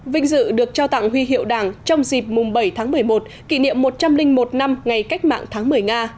vinh dự được trao tặng huy hiệu đảng trong dịp mùng bảy tháng một mươi một kỷ niệm một trăm linh một năm ngày cách mạng tháng một mươi nga